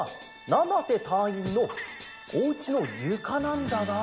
なせたいいんのおうちのゆかなんだが。